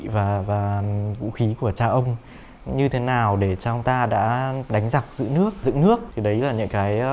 và vũ khí của cha ông như thế nào để cho ông ta đã đánh giặc giữ nước giữ nước thì đấy là những cái